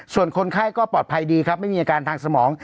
ส่วนคนไข้ก็ปลอดภัยดีครับไม่มีอาการทางสมอง